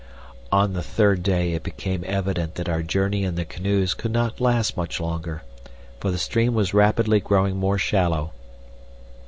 On the third day it became evident that our journey in the canoes could not last much longer, for the stream was rapidly growing more shallow.